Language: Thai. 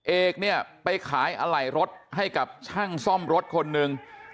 เอกเนี่ยไปขายอะไหล่รถให้กับช่างซ่อมรถคนหนึ่ง